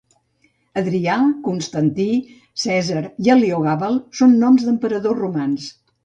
Adrià, Constantí, Cèsar i Heliogàbal són noms d'emperadors romans.